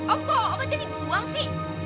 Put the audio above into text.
om kok obatnya dibuang sih